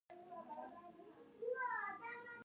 پابندی غرونه د افغانستان د ملي هویت نښه ده.